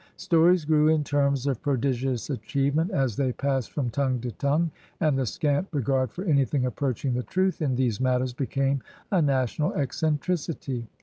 Stories grew in terms of prodigious achievement as they passed from tongue to tongue, and the scant regard for anything approachmg the truth in these matters became a national eccentricity.